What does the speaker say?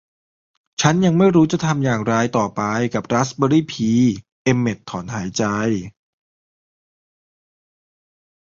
ฉันยังไม่รู้ว่าจะทำอย่างไรต่อไปกับราสเบอร์รี่ปี่เอ็มเม็ตต์ถอนหายใจ